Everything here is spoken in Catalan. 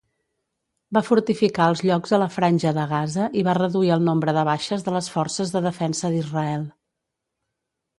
Va fortificar els llocs a la Franja de Gaza i va reduir el nombre de baixes de les Forces de Defensa d'Israel.